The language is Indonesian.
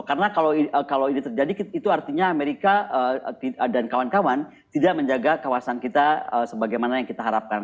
karena kalau ini terjadi itu artinya amerika dan kawan kawan tidak menjaga kawasan kita sebagaimana yang kita harapkan